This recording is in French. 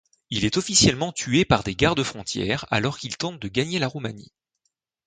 Il est officiellement tué par des gardes-frontières alors qu'il tente de gagner la Roumanie.